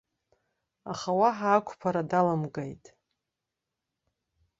Аха уаҳа ақәԥара даламгеит.